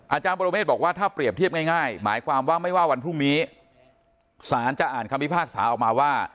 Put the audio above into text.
อาจารย์ปรเมฆบอกว่าถ้าเปรียบเทียบง่ายหมายความว่าไม่ว่าวันพรุ่งนี้สารจะอ่านคำพิพากษาออกมาว่า